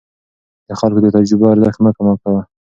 د خلکو د تجربو ارزښت مه کم کوه.